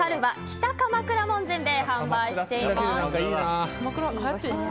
北鎌倉門前で販売しています。